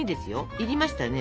いりましたね